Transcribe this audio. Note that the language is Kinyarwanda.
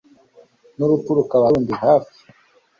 n'urupfu rukaba rundi hafi